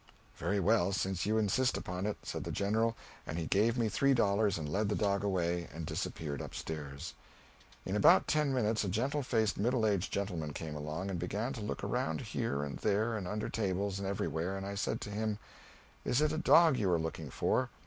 "Very well, since you insist upon it," said the General, and he gave me three dollars and led the dog away, and disappeared up stairs. In about ten minutes a gentle faced middle aged gentleman came along, and began to look around here and there and under tables and everywhere, and I said to him, "Is it a dog you are looking for?"